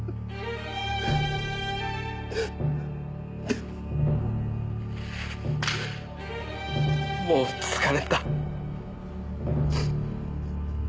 でももう疲れた。